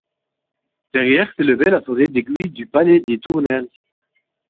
Derrière, s'élevait la forêt d'aiguilles du palais des Tournelles.